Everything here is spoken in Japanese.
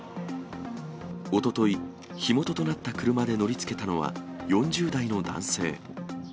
おととい、火元となった車で乗りつけたのは４０代の男性。